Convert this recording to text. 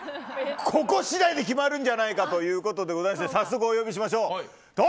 ここ次第で決まるんじゃないかということで早速、お呼びしましょう。